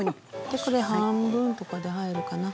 これ半分とかで入るかな？